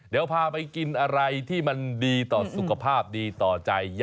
เดี๋ยวพาไปกินอะไรที่มันดีต่อสุขภาพดีต่อใจ